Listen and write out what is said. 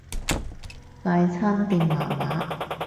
快餐店麻麻